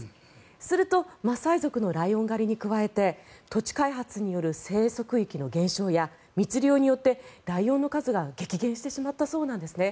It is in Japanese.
するとマサイ族のライオン狩りに加えて土地開発による生息域の減少や密猟によってライオンの数が激減してしまったそうです。